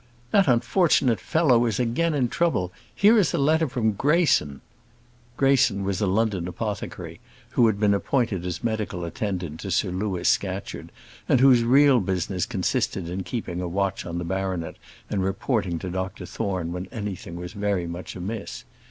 "That unfortunate fellow is again in trouble. Here is a letter from Greyson." Greyson was a London apothecary, who had been appointed as medical attendant to Sir Louis Scatcherd, and whose real business consisted in keeping a watch on the baronet, and reporting to Dr Thorne when anything was very much amiss.